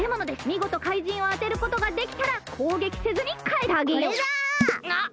みごとかいじんをあてることができたらこうげきせずにかえってあげよう！